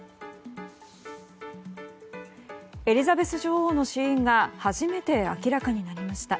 エリザベス女王の死因が初めて明らかになりました。